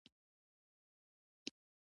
سلطان اجازه ورنه کړه.